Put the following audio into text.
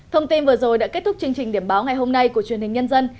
thông tin vừa rồi đã kết thúc chương trình điểm báo ngày hôm nay của truyền hình nhân dân